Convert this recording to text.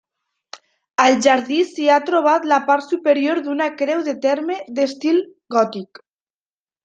Al jardí s'hi ha trobat la part superior d'una creu de terme d'estil gòtic.